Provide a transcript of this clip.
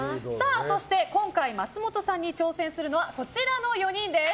そして、今回松本さんに挑戦するのは、こちらの４人です。